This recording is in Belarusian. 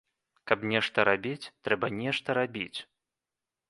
Каб нешта рабіць, трэба нешта рабіць!